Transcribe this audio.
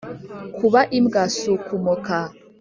Kuba imbwa si ukumoka.